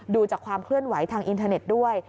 ดูจากความเคลื่อนไหวทางอินเทอร์เน็ตด้วย